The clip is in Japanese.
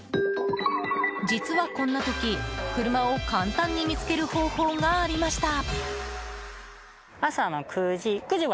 実はこんな時、車を簡単に見つける方法がありました。